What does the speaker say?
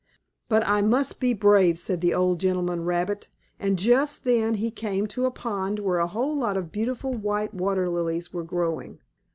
"But I must be brave," said the old gentleman rabbit, and just then he came to a pond where a whole lot of beautiful, white water lilies were growing.